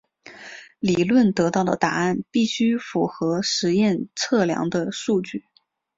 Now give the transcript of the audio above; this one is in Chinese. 理论得到的答案必须符合实验测量的数据。